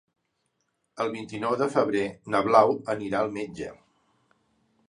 El vint-i-nou de febrer na Blau anirà al metge.